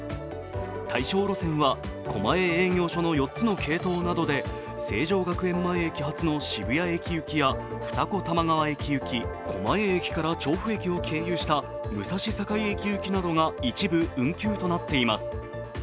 対象路線は狛江営業所の４つの系統などで成城学園前駅発の渋谷駅行きや二子玉川駅行き、狛江駅から調布駅を経由した武蔵境駅行きなどが一部運休となっています。